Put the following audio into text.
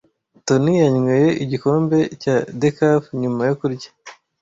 Toni yanyweye igikombe cya decaf nyuma yo kurya.